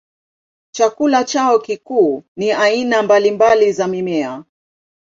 Chakula chao kikuu ni aina mbalimbali za mimea.